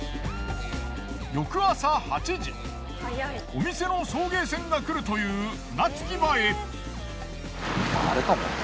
翌朝８時お店の送迎船が来るという船着き場へ。